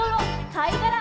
「かいがら」